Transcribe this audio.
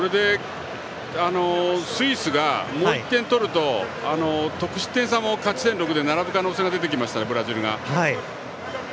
スイスがもう１点取ると得失点差も勝ち点６で並ぶ可能性が出てきましたブラジルが。